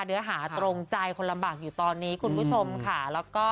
เนื้อหาตรงใจคนลำบากอยู่ตอนนี้คุณผู้ชมค่ะแล้วก็